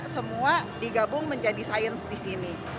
semua digabung menjadi sains di sini